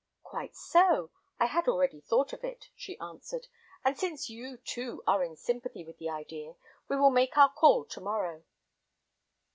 "Quite so; I had already thought of it," she answered, "and since you, too, are in sympathy with the idea, we will make our call to morrow."